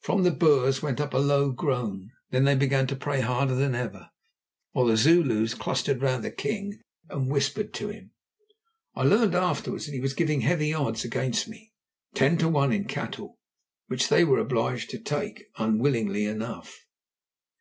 From the Boers went up a low groan. Then they began to pray harder than ever, while the Zulus clustered round the king and whispered to him. I learned afterwards that he was giving heavy odds against me, ten to one in cattle, which they were obliged to take, unwillingly enough.